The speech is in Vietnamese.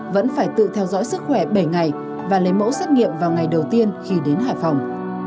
vẫn phải tự theo dõi sức khỏe bảy ngày và lấy mẫu xét nghiệm vào ngày đầu tiên khi đến hải phòng